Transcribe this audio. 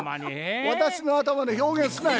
私の頭で表現すなよ。